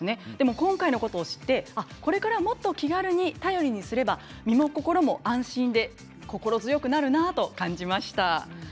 今回のことを知ってこれからもっと気軽に頼りにすれば身も心も安心で心強くなるなと感じました。